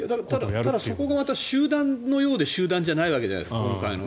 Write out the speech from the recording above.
ただ、そこがまた集団のようで集団じゃないわけじゃないですか。